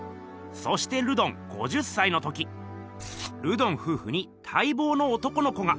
そしてルドン５０歳の時ルドンふうふにたいぼうの男の子が。